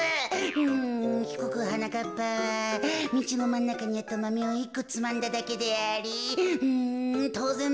うんひこくはなかっぱはみちのまんなかにあったマメを１こつまんだだけでありうん